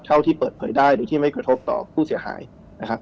เท่าที่เปิดเผยได้โดยที่ไม่กระทบต่อผู้เสียหายนะครับ